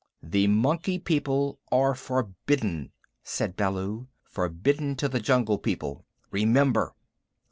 "The Monkey People are forbidden," said Baloo, "forbidden to the Jungle People. Remember."